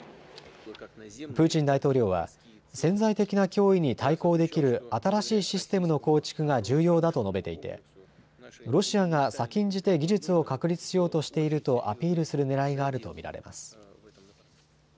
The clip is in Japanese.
プーチン大統領は潜在的な脅威に対抗できる新しいシステムの構築が重要だと述べていてロシアが先んじて技術を確立しようとしているとアピールするねらいがあると見られます。